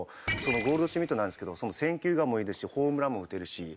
ゴールドシュミットなんですけど選球眼もいいですしホームランも打てるし。